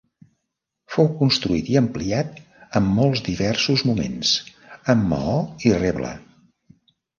Fou construït i ampliat en molts diversos moments, amb maó i reble.